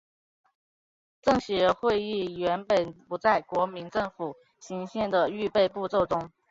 政协会议原本不在国民政府行宪的预备步骤中。